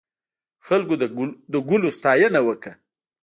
خلکو د ګلونو ستاینه وکړه.